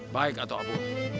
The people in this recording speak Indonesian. baik dato abu